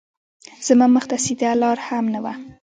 زما مخ ته سیده لار هم نه وه